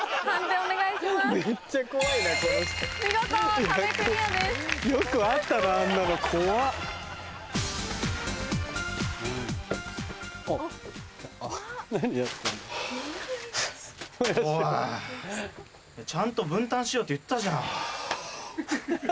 おいちゃんと分担しようって言ったじゃん。